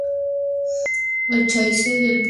La Chaize-le-Vicomte